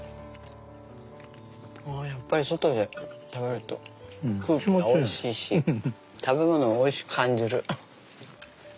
やっぱり外で食べると空気がおいしいし食べ物をおいしく感じる。